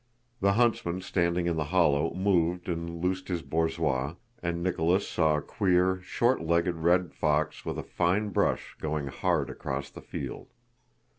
The huntsman standing in the hollow moved and loosed his borzois, and Nicholas saw a queer, short legged red fox with a fine brush going hard across the field.